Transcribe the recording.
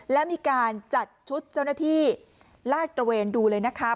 และมีการจัดชุดเจ้าหน้าที่ลาดตระเวนดูเลยนะคะ